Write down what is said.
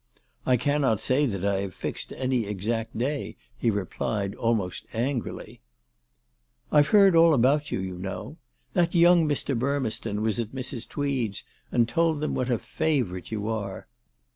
"I cannot say that I have fixed any exact day," he replied almost angrily. " I've heard all about you, you know. That young Mr. Burmeston was at Mrs. Tweed's and told them what a favourite you are.